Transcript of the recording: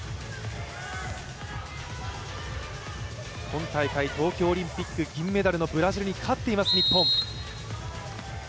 今大会、東京オリンピック銀メダルのブラジルに勝っています日本。